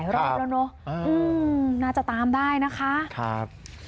ก็คือเดินเข้ามา